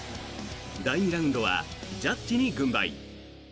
第２ラウンドはジャッジに軍配。